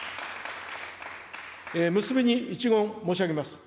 結びに一言、申し上げます。